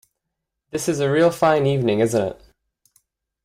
This is a real fine evening, isn’t it?